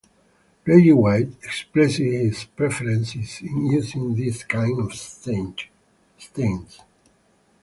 Reggie White expressed his preference in using this kind of stance.